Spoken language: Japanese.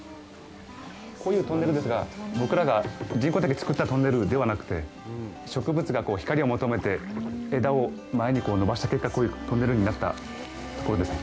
こういうトンネルですが僕らが人工的に作ったトンネルではなくて植物が光を求めて枝を前に伸ばした結果こういうトンネルになったところですね。